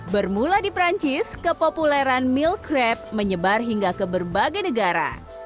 bermula di perancis kepopuleran meal crab menyebar hingga ke berbagai negara